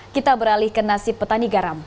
kita beralih ke nasib petani garam